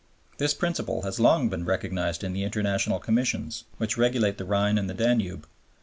This principle has long been recognized in the International Commissions which regulate the Rhine and the Danube.